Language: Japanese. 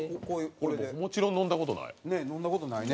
もちろん飲んだ事ない。